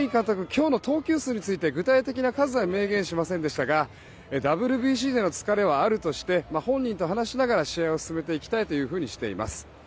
今日の投球数について具体的な数は明言しませんでしたがＷＢＣでの疲れはあるとして本人と話しながら試合を進めていきたいとしています。